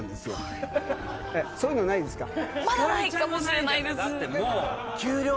そういうのないですか？